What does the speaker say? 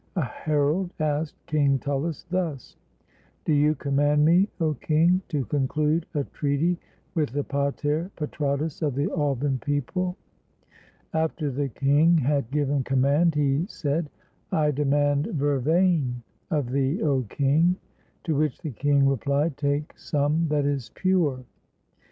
A herald asked King Tullus thus: "Do you command me, 0 king, to conclude a treaty with the pater patratus of the Alban people ?" After the king had given command, he said, " I demand vervain of thee, 0 king." To which the king replied, "Take some that is pure."